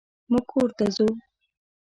مونږ کور ته ځو.